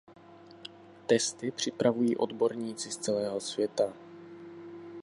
Testy připravují odborníci z celého světa.